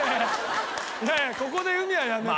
ここで海はやらない。